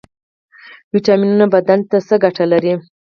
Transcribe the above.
ویټامینونه بدن ته څه ګټه لري؟